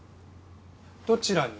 どちらに？